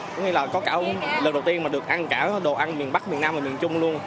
có nghĩa là có cả lần đầu tiên mà được ăn cả đồ ăn miền bắc miền nam và miền trung luôn